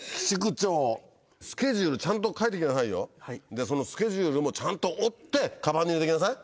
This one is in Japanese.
でそのスケジュールもちゃんと折ってかばんに入れときなさい。